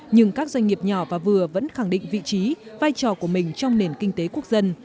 nhưng các doanh nghiệp nhỏ và vừa vẫn khẳng định vị trí vai trò của mình trong nền kinh tế quốc dân